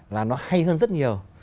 là nó hay hơn rất nhiều